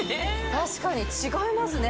確かに違いますね。